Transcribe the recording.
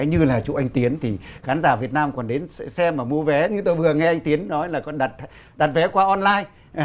nghe anh tiến nói là còn đặt vé qua online